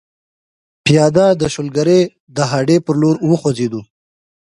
پیاده د شولګرې د هډې پر لور وخوځېدو.